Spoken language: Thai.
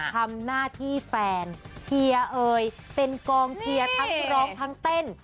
ทำหน้าที่แฟนเชียร์เอ่ยเป็นกองเชียร์ทั้งร้องทั้งเต้น